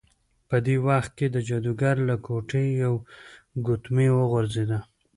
په دې وخت کې د جادوګر له ګوتې یوه ګوتمۍ وغورځیده.